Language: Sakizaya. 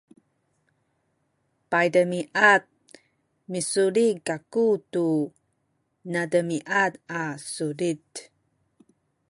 paydemiad misulit kaku tu nademiad a sulit